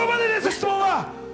質問は。